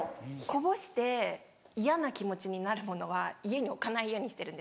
こぼして嫌な気持ちになるものは家に置かないようにしてるんです。